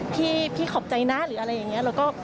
พี่ขอบใจนะหรืออะไรอย่างนี้